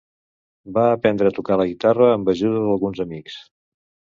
Va aprendre a tocar la guitarra amb ajuda d'alguns amics.